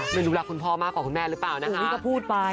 ไม่รู้รักคุณพ่อมากกว่าคุณแม่หรือเปล่านะคะก็พูดไป